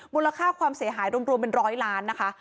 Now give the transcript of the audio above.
มูลค่าความเสียหายรวมเป็นร้อยล้านนะคะ